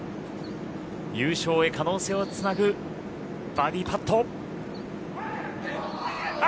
優勝へ可能性をつなぐバーディーパット。